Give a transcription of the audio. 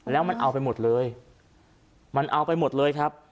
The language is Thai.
แล้วมันเอาไปหมดเลยมันเอาไปหมดเลยครับ